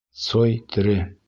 «Цой тере».